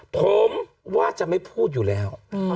ผมว่าจะไม่พูดอยู่แล้ว